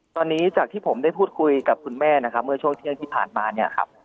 ตอนนี้จากที่ผมได้พูดคุยกับคุณแม่นะครับเมื่อช่วงเที่ยงที่ผ่านมาเนี่ยครับ